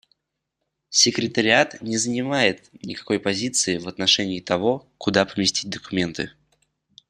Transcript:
Секретариат не занимает никакой позиции в отношении того, куда поместить документы.